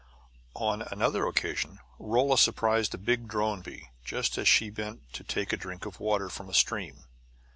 On another occasion Rolla surprised a big drone bee, just as she bent to take a drink of water from a stream.